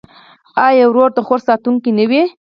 آیا ورور د خور ساتونکی نه وي؟